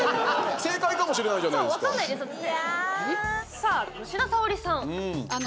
正解かもしれないじゃないですか。